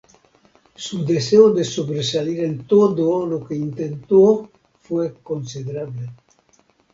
Su deseo de sobresalir en todo lo que intentó fue considerable.